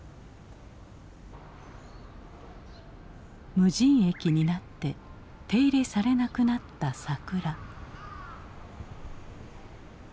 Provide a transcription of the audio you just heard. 無人駅になって手入れされなくなった桜。